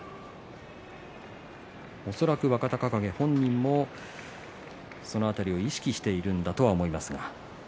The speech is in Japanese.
恐らく若隆景本人もその辺りは意識しているとは思います。